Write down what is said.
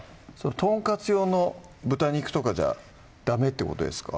とんかつ用の豚肉とかじゃダメってことですか？